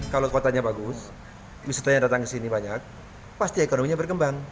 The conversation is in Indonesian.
kalau kotanya bagus wisata yang datang ke sini banyak pasti ekonominya berkembang